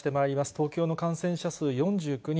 東京の感染者数４９人。